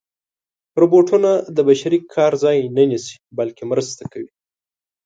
روبوټونه د بشري کار ځای نه نیسي، بلکې مرسته کوي.